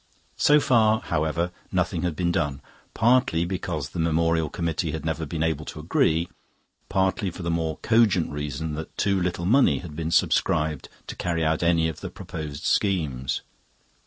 So far, however, nothing had been done, partly because the memorial committee had never been able to agree, partly for the more cogent reason that too little money had been subscribed to carry out any of the proposed schemes.